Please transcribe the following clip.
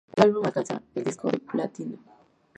El álbum alcanza disco de platino.